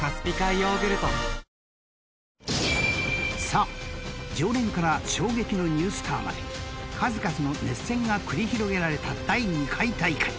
［さあ常連から衝撃のニュースターまで数々の熱戦が繰り広げられた第二回大会